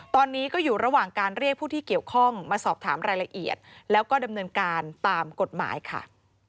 ตอนนี้ก็อยู่ระหว่างการเรียกผู้ที่เกี่ยวข้องมาสอบถามรายละเอียดแล้วก็ดำเนินการตามกฎหมายค่ะ